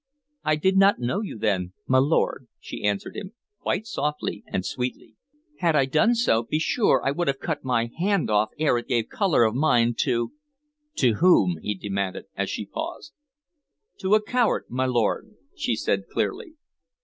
"I did not know you then, my lord," she answered him, quite softly and sweetly. "Had I done so, be sure I would have cut my hand off ere it gave color of mine to" "To whom?" he demanded, as she paused. "To a coward, my lord," she said clearly.